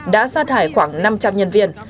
đã ra thải khoảng năm trăm linh nhân viên